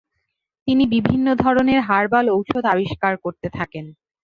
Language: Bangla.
তিনি বিভিন্ন ধরনের হার্বাল ঔষধ আবিষ্কার করতে থাকেন।